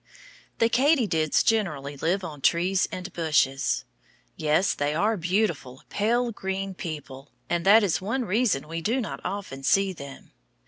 The katydids generally live on trees and bushes. Yes, they are a beautiful, pale green people, and that is one reason we do not often see them.